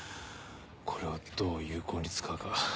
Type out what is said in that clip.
これをどう有効に使うか。